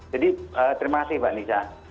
jadi terima kasih pak nisha